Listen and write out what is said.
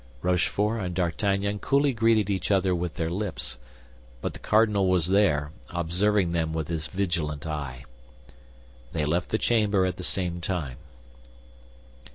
Rochefort and D'Artagnan coolly greeted each other with their lips; but the cardinal was there, observing them with his vigilant eye. They left the chamber at the same time.